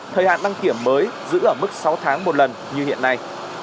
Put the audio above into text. thời hạn đăng kiểm mới giữ ở mức sáu tháng một lần như hiện nay